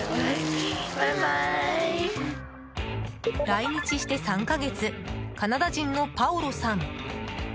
来日して３か月カナダ人のパオロさん。